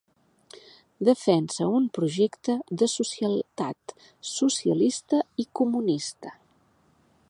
Defensa un projecte de societat socialista i comunista.